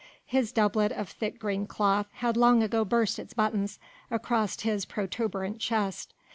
His doublet of thick green cloth had long ago burst its buttons across his protuberent chest.